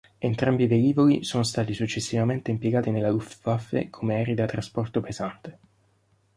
Entrambi i velivoli sono stati successivamente impiegati nella Luftwaffe come aerei da trasporto pesante.